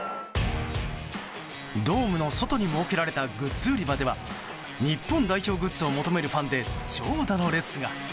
ドームの外に設けられたグッズ売り場では日本代表グッズを求めるファンで長蛇の列が。